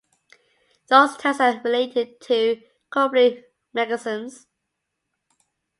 Those terms are related to coupling mechanisms.